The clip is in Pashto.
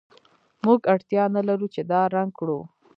موږ اړتیا نلرو چې دا رنګ کړو